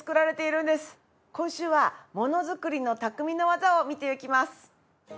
今週はものづくりの匠の技を見ていきます。